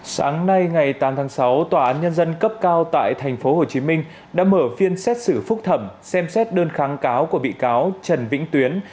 sáng nay ngày tám tháng sáu tòa án nhân dân cấp cao tại tp hcm đã mở phiên xét xử phúc thẩm xem xét đơn kháng cáo của bị cáo trần vĩnh tuyến